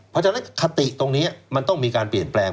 เพราะฉะนั้นคติตรงนี้มันต้องมีการเปลี่ยนแปลง